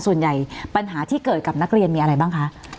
ปัญหาที่เกิดกับนักเรียนมีอะไรบ้างคะ